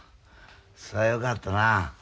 そらよかったな。